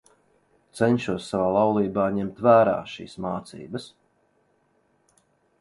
Cenšos savā laulībā ņemt vērā šīs mācības.